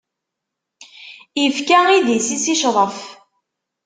Ifka idis-is, i ccḍef.